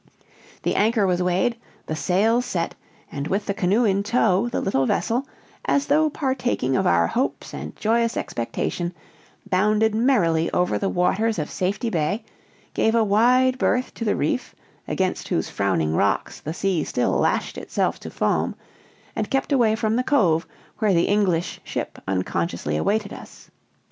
The anchor was weighed, the sails set, and with the canoe in tow the little vessel, as though partaking of our hopes and joyous expectation, bounded merrily over the waters of Safety Bay, gave a wide berth to the Reef, against whose frowning rocks the sea still lashed itself to foam, and kept away from the cove, where the English ship unconsciously awaited us.